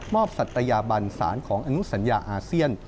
สัตยาบันสารของอนุสัญญาอาเซียน